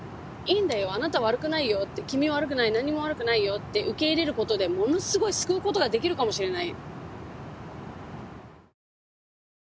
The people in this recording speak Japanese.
あなた悪くないよ」って「君悪くない何にも悪くないよ」って受け入れることでものすごい救うことができるかもしれない。